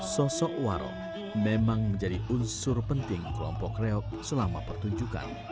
sosok waro memang menjadi unsur penting kelompok reok selama pertunjukan